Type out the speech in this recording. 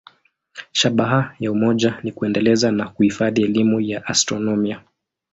Shabaha ya umoja ni kuendeleza na kuhifadhi elimu ya astronomia.